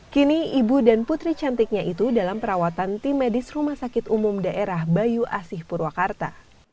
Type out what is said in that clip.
kini ibu dan putri cantiknya itu dalam perawatan tim medis rumah sakit umum daerah bayu asih purwakarta